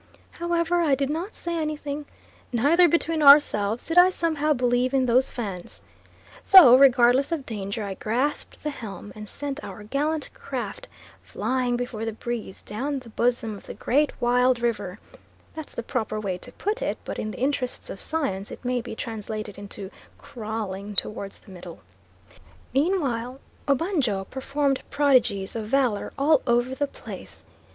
However I did not say anything; neither, between ourselves, did I somehow believe in those Fans. So regardless of danger, I grasped the helm, and sent our gallant craft flying before the breeze down the bosom of the great wild river (that's the proper way to put it, but in the interests of science it may be translated into crawling towards the middle). Meanwhile Obanjo performed prodigies of valour all over the place.